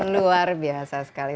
luar biasa sekali